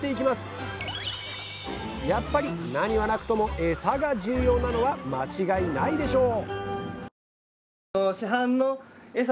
やっぱり何はなくともエサが重要なのは間違いないでしょう！